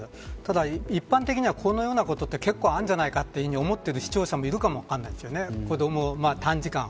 ただ一般的には、このようなことは結構あるんじゃないかと思っている視聴者もいるんじゃないかと思うんです。